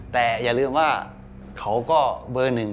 แต่อย่าลืมว่าเขาก็เบอร์หนึ่ง